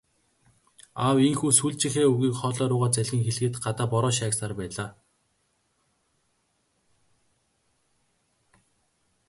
Аав ийнхүү сүүлчийнхээ үгийг хоолой руугаа залгин хэлэхэд гадаа бороо шаагьсаар байлаа.